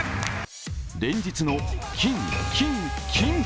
連日の金、金、金。